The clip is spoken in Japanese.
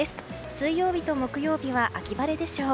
水曜日と木曜日は秋晴れでしょう。